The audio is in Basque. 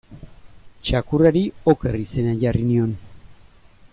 Txakurrari Oker izena jarri nion.